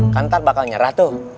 kan ntar bakal nyerah tuh